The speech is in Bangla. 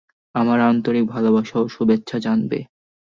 আমার আন্তরিক ভালবাসা ও শুভেচ্ছা জানবে।